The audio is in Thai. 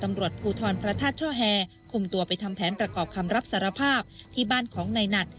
ตำรวจภูทรพระธาตุช่อแฮคุมตัวไปทำแผนประกอบคำรับสารภาพที่บ้านของนายหนัด